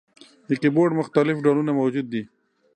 د کیبورډ مختلف ډولونه موجود دي.